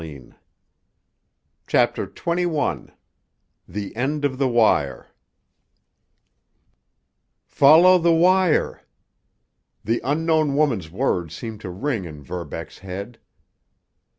CHAPTER XXI—THE END OF THE WIRE "Follow the wire!" The unknown woman's words seemed to ring in Verbeck's head.